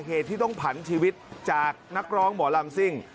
เหตุที่ต้องผันชีวิตจากนักร้องหมอลำซิ่ง